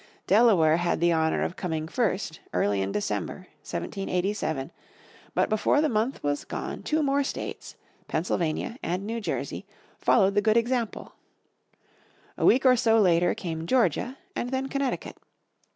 Delaware had the honour of coming first early in December, 1787, but before the month was gone two more states, Pennsylvania and New Jersey, followed the good example. A week or so later came Georgia and then Connecticut.